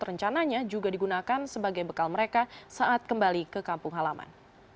rencananya juga digunakan sebagai bekal mereka saat kembali ke kampung halaman